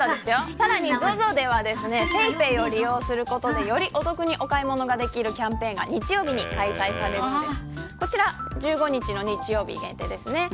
さらにＺＯＺＯではＰａｙＰａｙを利用することでよりお得にお買い物できるキャンペーンが日曜日に開催されます。